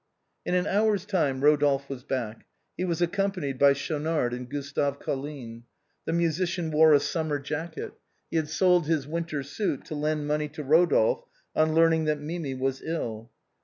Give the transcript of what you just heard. In an hour's time Eodolphe was back. He was accom panied by Schaunard and Gustave Colline. The musician wore a summer jacket. He had sold his winter suit to lend money to Eodolphe on learning that Mimi was ill.